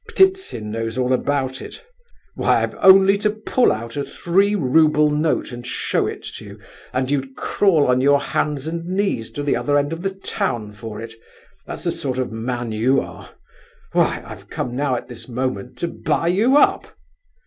Ptitsin knows all about it. Why, I've only to pull out a three rouble note and show it to you, and you'd crawl on your hands and knees to the other end of the town for it; that's the sort of man you are. Why, I've come now, at this moment, to buy you up!